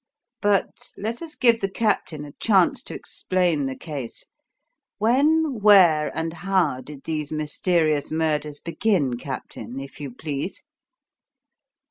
But let us give the Captain a chance to explain the case. When, where, and how did these mysterious murders begin, Captain, if you please?"